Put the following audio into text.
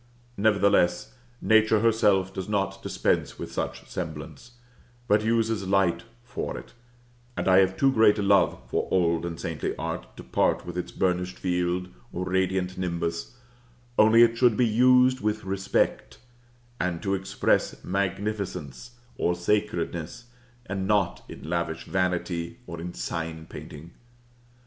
Nevertheless, nature herself does not dispense with such semblance, but uses light for it; and I have too great a love for old and saintly art to part with its burnished field, or radiant nimbus; only it should be used with respect, and to express magnificence, or sacredness, and not in lavish vanity, or in sign painting.